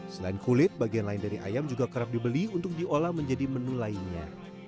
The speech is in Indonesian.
selain kulit bagian lain dari ayam juga kerap dibeli untuk diolah menjadi menu lainnya